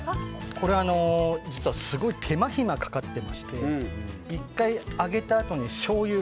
これ、実はすごい手間暇がかかっていまして１回揚げたあとにしょうゆ。